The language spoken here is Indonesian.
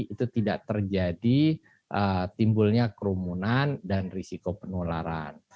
itu tidak terjadi timbulnya kerumunan dan risiko penularan